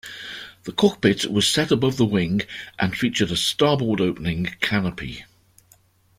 The cockpit was set above the wing, and featured a starboard-opening canopy.